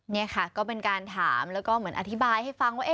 นี่ค่ะก็เป็นการถามแล้วก็เหมือนอธิบายให้ฟังว่า